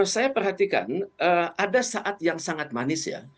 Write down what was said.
saya perhatikan ada saat yang sangat manis ya